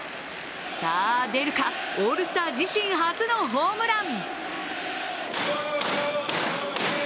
さあ出るか、オールスター自身初のホームラン。